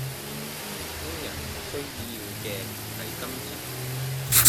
年輕人需要嘅唔係金錢